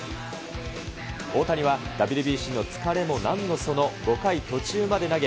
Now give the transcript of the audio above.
大谷はＷＢＣの疲れもなんのその、５回途中まで投げ、